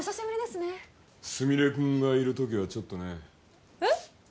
すみれくんがいる時はちょっとねえっ？